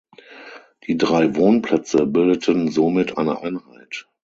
Die drei Wohnplätze bildeten somit eine Einheit.